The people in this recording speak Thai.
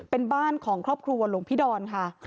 เป็นบ้านของครอบครัวหลวงพี่ดอนค่ะ